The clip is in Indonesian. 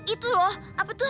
itu loh apa tuh